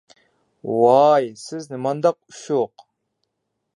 ۋاي سىز نېمانداق ئۇششۇق!